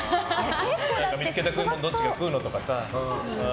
見つけた食い物どっちが食うの？とかさ。